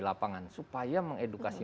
lapangan supaya mengedukasi